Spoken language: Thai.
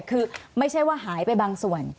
คือไม่ใช่ว่าหายไปบางส่วน